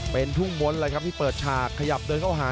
เป็นทุ่งม้อนที่เปิดฉากขยับเดินเข้าหา